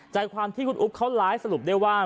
ใจความที่คุณอุ๊บเขาไลฟ์สรุปได้ว่า